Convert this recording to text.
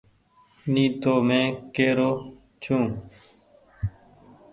ني تو مين ڪير سئو۔